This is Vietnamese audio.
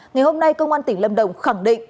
ngày hôm nay công an tỉnh lâm đồng khẳng định